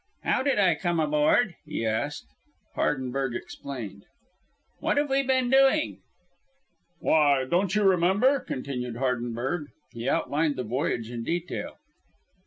"How did I come aboard?" he asked. Hardenberg explained. "What have we been doing?" "Why, don't you remember?" continued Hardenberg. He outlined the voyage in detail.